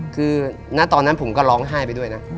คือณตอนนั้นผมก็ร้องไห้ไปด้วยนะ